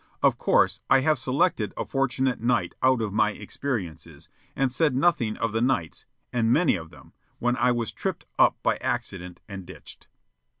Of course, I have selected a fortunate night out of my experiences, and said nothing of the nights and many of them when I was tripped up by accident and ditched.